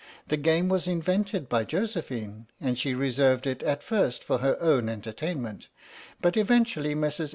The game was invented by Josephine, and she reserved it at first for her own entertainment; but eventually Messrs.